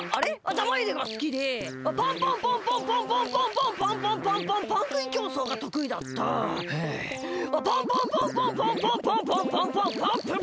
玉入れがすきでパンパンパンパンパンパンパンパンパンパンパンパンパン食い競走がとくいだったはあパンパンパンパンパンパンパンパンパンパンパンパン。